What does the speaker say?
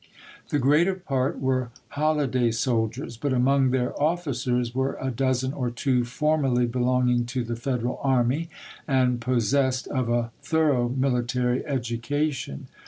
The greater part were holiday soldiers, but among their ofiicers were a dozen or two formerly belong ing to the Federal army and possessed of a thor ough military education.